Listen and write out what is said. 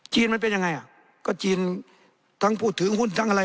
มันเป็นยังไงอ่ะก็จีนทั้งผู้ถือหุ้นทั้งอะไร